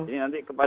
ini nanti kebetulan